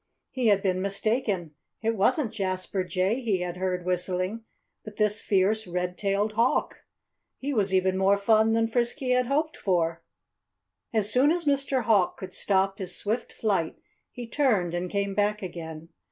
He had been mistaken. It wasn't Jasper Jay he had heard whistling, but this fierce red tailed hawk. Here was even more fun than Frisky had hoped for! As soon as Mr. Hawk could stop his swift flight he turned and came back again.